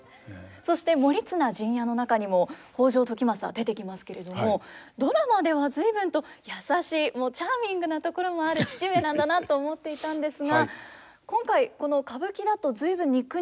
そして「盛綱陣屋」の中にも北条時政出てきますけれどもドラマでは随分と優しいチャーミングなところもある父上なんだなと思っていたんですが今回この歌舞伎だと随分憎々しい感じですね。